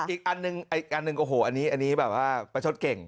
อีกอันหนึ่งอีกอันหนึ่งโอ้โหอันนี้แบบว่าประชดเก่ง